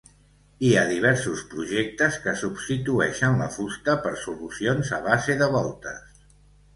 Hi ha diversos projectes que substitueixen la fusta per solucions a base de voltes.